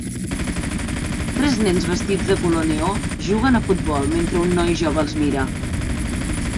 Tres nens vestits de color neó juguen a futbol mentre un noi jove els mira